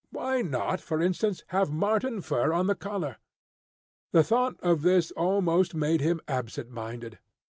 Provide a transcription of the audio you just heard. Why not, for instance, have marten fur on the collar? The thought of this almost made him absent minded.